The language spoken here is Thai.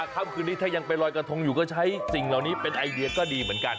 ค่ำคืนนี้ถ้ายังไปลอยกระทงอยู่ก็ใช้สิ่งเหล่านี้เป็นไอเดียก็ดีเหมือนกัน